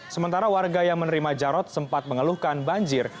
sementara warga yang menerima jarod sempat mengeluhkan banjir